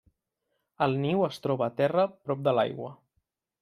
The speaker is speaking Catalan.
El niu es troba a terra prop de l'aigua.